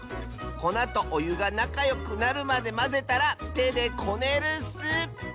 こなとおゆがなかよくなるまでまぜたらてでこねるッス！